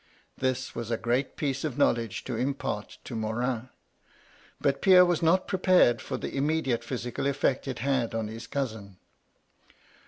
This was a great piece of know ledge to impart to Morin. But Pierre was not pre pared for the immediate physical effect it had on his cousin.